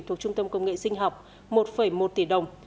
thuộc trung tâm công nghệ sinh học một một tỷ đồng